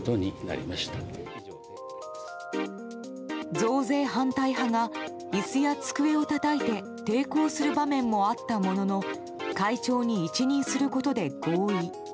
増税反対派が椅子や机をたたいて抵抗する場面もあったものの会長に一任することで合意。